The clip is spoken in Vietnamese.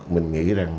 mình nghĩ rằng